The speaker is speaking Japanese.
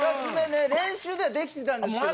練習ではできてたんですけど